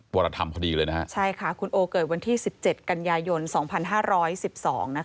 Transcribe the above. วรธรรมพอดีเลยนะฮะใช่ค่ะคุณโอเกิดวันที่สิบเจ็ดกันยายนสองพันห้าร้อยสิบสองนะคะ